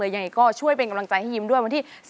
ยังไงก็ช่วยเป็นกำลังใจให้ยิ้มด้วยวันที่